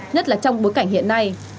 nhất là trong bối cảnh hiện nay